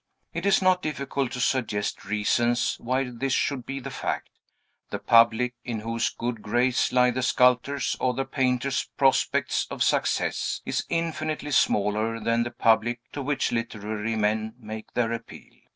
It is not difficult to suggest reasons why this should be the fact. The public, in whose good graces lie the sculptor's or the painter's prospects of success, is infinitely smaller than the public to which literary men make their appeal.